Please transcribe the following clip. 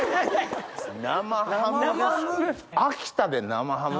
生ハム？